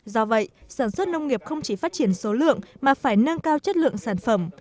do vậy sản xuất nông nghiệp không chỉ phát triển số lượng mà phải nâng cao chất lượng sản phẩm